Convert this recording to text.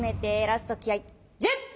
ラスト気合い１０！